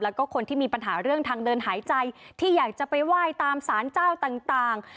แล้วก็คนที่มีปัญหาเรื่องทางเดินหายใจที่อยากจะไปไหว้ตามสารเจ้าต่าง